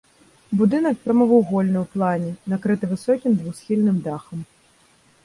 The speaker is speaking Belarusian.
Будынак прамавугольны ў плане, накрыты высокім двухсхільным дахам.